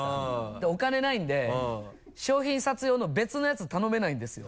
でお金ないんで商品撮影用の別のやつ頼めないんですよ。